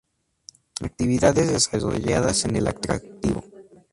Actividades desarrolladas en el atractivo.